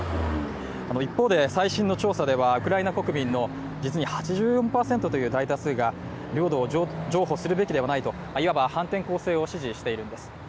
一方で、最新の調査ではウクライナ国民の実に８４％という大多数が領土を譲歩するべきではないといわば反転攻勢を支持しているんです。